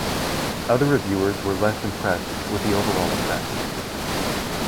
Other reviewers were less impressed with the overall effect.